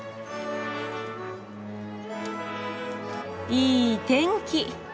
いい天気！